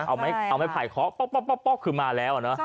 เอาใหม่ผ่ายค้อป๊อกป๊อกป๊อกป๊อกคือมาแล้วเนาะ